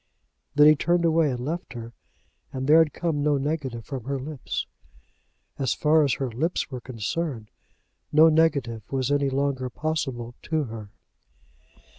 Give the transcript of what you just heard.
Then he turned away and left her, and there had come no negative from her lips. As far as her lips were concerned no negative was any longer possible to her.